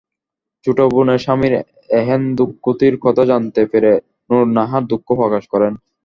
ছোট বোনের স্বামীর এহেন দুর্গতির কথা জানতে পেরে নুরুন্নাহার দুঃখ প্রকাশ করেন।